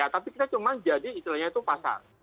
tapi kita cuma jadi istilahnya itu pasar